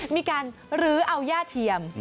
มีการลื้อเอาย่าเทียม